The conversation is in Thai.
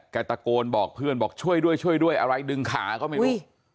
ตะโกนบอกเพื่อนบอกช่วยด้วยช่วยด้วยอะไรดึงขาก็ไม่รู้